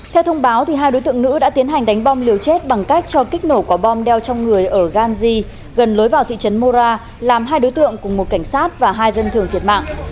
theo thông báo hai đối tượng nữ đã tiến hành đánh bom liều chết bằng cách cho kích nổ quả bom đeo trong người ở ganji gần lối vào thị trấn mora làm hai đối tượng cùng một cảnh sát và hai dân thường thiệt mạng